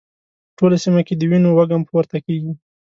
په ټوله سيمه کې د وینو وږم پورته کېږي.